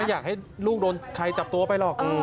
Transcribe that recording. อยากให้ลูกโดนใครจับตัวไปหรอก